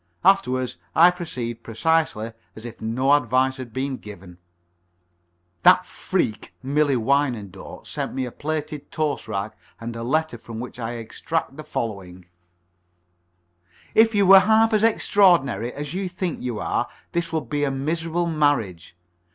Afterwards, I proceed precisely as if no advice had been given." That freak, Millie Wyandotte, sent me a plated toast rack and a letter from which I extract the following: "If you were half as extraordinary as you think you are, this would be a miserable marriage.